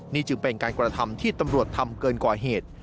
นี่จึงเป็นการกระทำที่ตำรวจทำเกินกว่าเหตุ